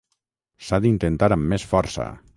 S'ha d'intentar amb més força.